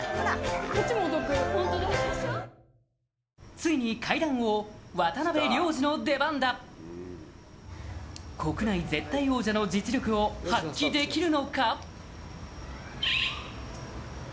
ついに階段王渡辺良治の出番だ国内絶対王者の実力を発揮できるのか？